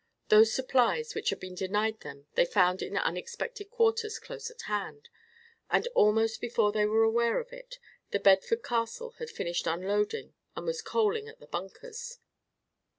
Those supplies which had been denied them they found in unexpected quarters close at hand; and almost before they were aware of it The Bedford Castle had finished unloading and was coaling at the bunkers.